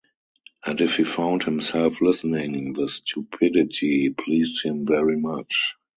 And if he found himself listening, the stupidity pleased him very much.